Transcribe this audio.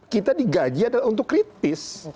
kita digaji untuk kritis